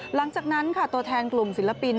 หลังจากนั้นค่ะตัวแทนกลุ่มศิลปิน